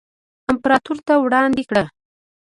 امپراتور ته وړاندې کړه.